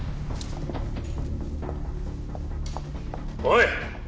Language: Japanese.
おい！